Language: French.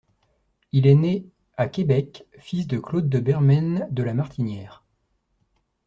Il est né à Québec, fils de Claude de Bermen de La Martinière.